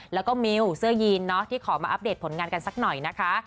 แล้วก็มิวเสื้อยีนที่ขอมาอัปเดตผลงานกันสักหน่อยนะคะ